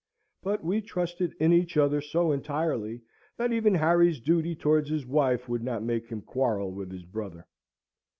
But we trusted in each other so entirely that even Harry's duty towards his wife would not make him quarrel with his brother.